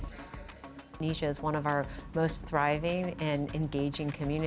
indonesia adalah salah satu komunitas yang berkembang dan berkembang